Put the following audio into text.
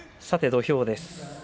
さて土俵です。